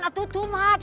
itu terlalu banyak